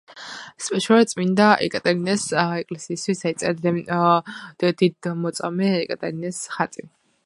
სპეციალურად წმინდა ეკატერინეს ეკლესიისთვის დაიწერა დიდმოწამე ეკატერინეს ხატი.